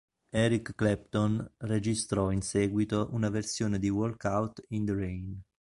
Eric Clapton registrò in seguito una versione di "Walk Out In the Rain".